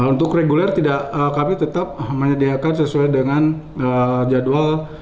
untuk reguler kami tetap menyediakan sesuai dengan jadwal